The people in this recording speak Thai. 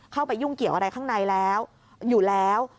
เข้าไปยุ่งเกี่ยวอะไรข้างในแล้วอยู่แล้ว